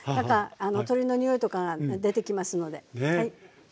鶏のにおいとかが出てきますのではい。